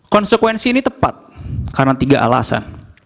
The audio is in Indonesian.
konsekuensi ini tepat karena tiga alasan